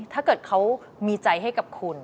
ถ้าเกิดเขามีใจให้กับคุณ